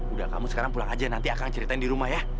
udah kamu sekarang pulang aja nanti akan ceritain di rumah ya